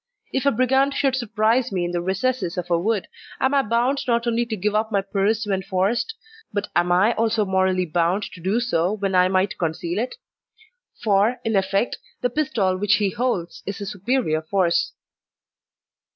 If a brigand should surprise me in the recesses of a wood, am I bound not only to give up my purse when forced, but am I also morally bound to do so when I might conceal it? For, in effect, the pistol which he holds is a superior force.